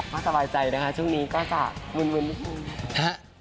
ไม่สบายใจนะคะช่วงนี้ก็จะบุญนิดหนึ่ง